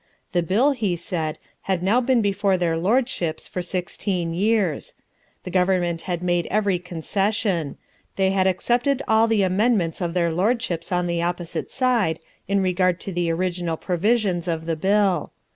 The Bill, he said, had now been before their Lordships for sixteen years. The Government had made every concession. They had accepted all the amendments of their Lordships on the opposite side in regard to the original provisions of the Bill.